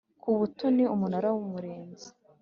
ku butoni Umunara w Umurinzi